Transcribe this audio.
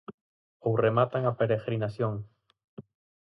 Ou rematan a peregrinación.